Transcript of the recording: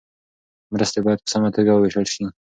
مرستې باید په سمه توګه وویشل سي.